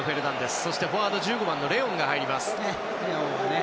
そして、フォワード１５番のレオンが入ります。